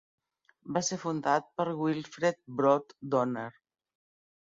Va ser fundat per Wilfred "Brod" Doner.